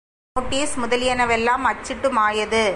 Notice முதலியனவெல்லாம் அச்சிட்டுமாயது.